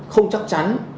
không chắc chắn